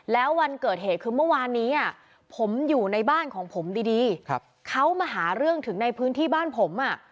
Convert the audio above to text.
แล้ววันเกิดเหตุคือเมื่อวานนี้ผมอยู่ในบ้านของผมดีเขามาหาเรื่องถึงในพื้นที่บ้านผมอ่ะ